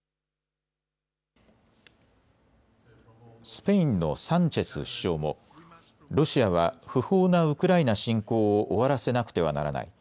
スペインのサンチェス首相もロシアは不法なウクライナ侵攻を終わらせなくてはならない。